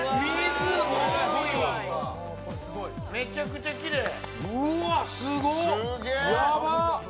めちゃくちゃきれい！